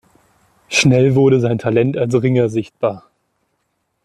Schnell wurde sein Talent als Ringer sichtbar.